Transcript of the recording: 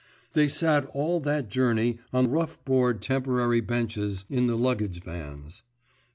They sat all that journey on rough board temporary benches in the luggage vans.